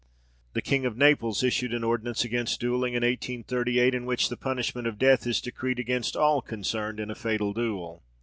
The king of Naples issued an ordinance against duelling in 1838, in which the punishment of death is decreed against all concerned in a fatal duel.